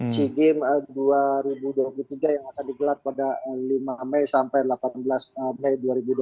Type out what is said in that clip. sea games dua ribu dua puluh tiga yang akan digelar pada lima mei sampai delapan belas mei dua ribu dua puluh